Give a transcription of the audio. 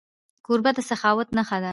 کوربه د سخاوت نښه ده.